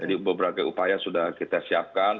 jadi beberapa upaya sudah kita siapkan